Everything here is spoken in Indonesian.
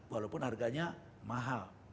walaupun harganya mahal